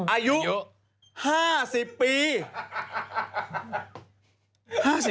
อายุ๕๐ปี